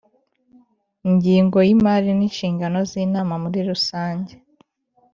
ingingo y imari n inshingano z inama rusange